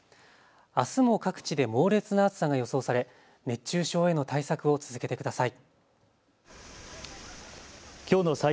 あすも各地で猛烈な暑さが予想され熱中症への対策を続けてください。